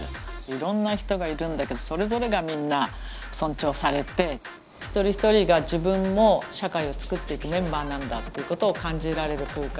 いろんな人がいるんだけどそれぞれがみんな尊重されて一人一人が自分も社会をつくっていくメンバーなんだっていうことを感じられる空間。